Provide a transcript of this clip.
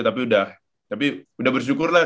tapi udah bersyukur lah